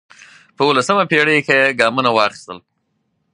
په اوولسمه پېړۍ کې یې ګامونه واخیستل